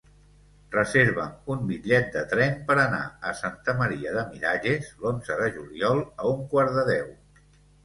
Reserva'm un bitllet de tren per anar a Santa Maria de Miralles l'onze de juliol a un quart de deu.